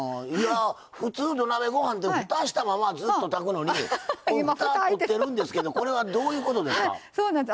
普通、土鍋ご飯ってふたしたまま炊くのに今ふた開いてるんですけどこれはどういうことですか？